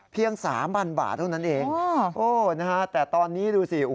เพียง๓๐๐๐บาทเท่านั้นเองแต่ตอนนี้ดูสิ